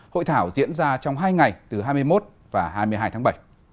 hội thảo diễn ra trong hai ngày từ hai mươi một và hai mươi hai tháng bảy